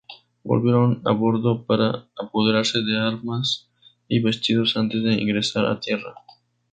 Volvieron a bordo para apoderarse de armas y vestidos antes de ingresar a tierra.